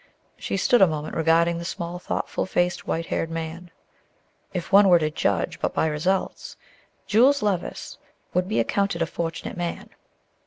She stood a moment regarding the small thoughtful faced, white haired man. If one were to judge but by results, Jules Levice would be accounted a fortunate man.